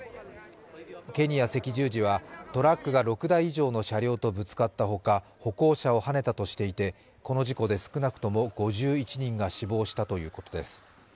ケニア赤十字は、トラックが６台以上の車両とぶつかったほか歩行者をはねたとしていてこの事故で少なくとも５１人が死亡したということです。